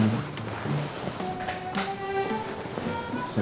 jangan lupa subscribe channel ini